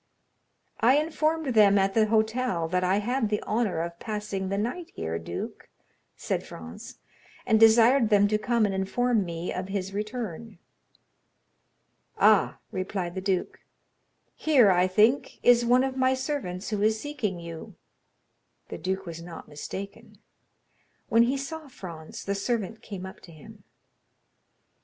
"I informed them at the hotel that I had the honor of passing the night here, duke," said Franz, "and desired them to come and inform me of his return." "Ah," replied the duke, "here I think, is one of my servants who is seeking you." The duke was not mistaken; when he saw Franz, the servant came up to him.